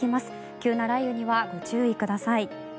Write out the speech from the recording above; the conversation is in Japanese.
急な雷雨にはご注意ください。